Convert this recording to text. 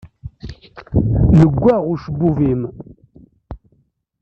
Leggaɣ ucebbub-im.